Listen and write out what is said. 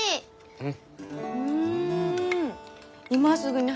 うん。